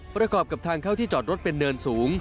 ประกอบกับทางเข้าที่จอดรถเป็นเนินสูง